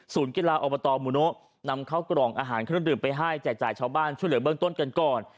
ศูนย์ก็กำลังอาหารขนมดื่มไปให้จ่ายชาวบ้านช่วยเหลือเบื้องต้นกันก่อน